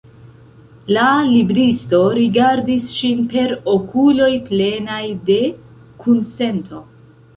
La libristo rigardis ŝin per okuloj plenaj de kunsento.